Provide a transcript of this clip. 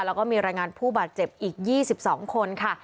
แล้วก็มีรายงานผู้บาดเจ็บอีก๒๒คนค่ะ